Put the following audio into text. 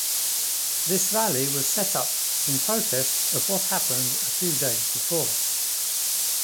This rally was set up in protest of what happened a few days before.